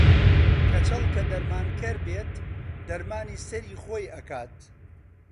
کەچەڵ کە دەرمانکەر بێت دەرمانی سەری خۆی ئەکات